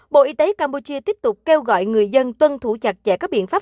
bộ y tế campuchia tiếp tục kêu gọi người dân tuân thủ chặt chẽ các biện pháp